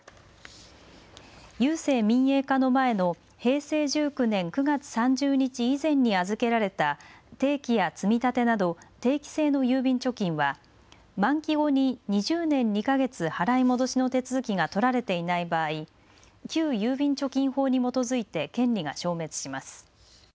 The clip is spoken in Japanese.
郵政民営化の前の平成１９年９月３０日以前に預けられた定期や積立など定期性の郵便貯金は満期後に２０年２か月、払い戻しの手続きが取られていない場合、旧郵便貯金法に基づいて権利が消滅します。